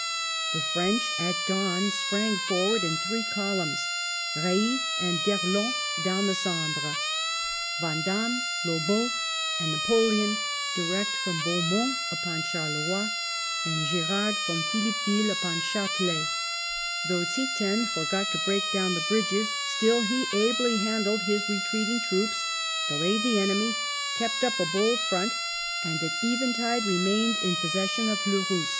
The French at dawn sprang forward in three columns — Eeille and d'Erlon down the Sambre; Vandamme, Lobau, and Napoleon direct from Beaumont upon Charleroi ; and Gerard from Phillippeville upon Ch^telet. Though Ziethen forgot to break down the bridges, still he ably handled his retreating troops, delayed the enemy, kept up a bold front, and at eventide remained in possession of Fleurus.